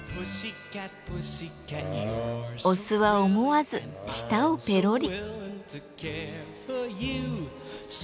オスは思わず舌をペロリ。